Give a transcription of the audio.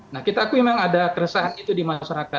nah kita akui memang ada keresahan itu di masyarakat